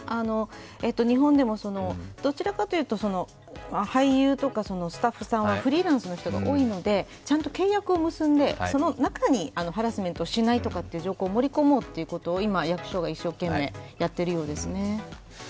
日本でもどちらかというと俳優とかスタッフさんはフリーランスの人が多いので、ちゃんと契約を結んでその中にハラスメントをしないとかという条項を盛り込もうということを今、役所が一生懸命やっているようですね。